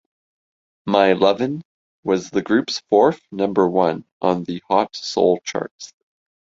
"My Lovin'" was the group's fourth number one on the Hot Soul charts.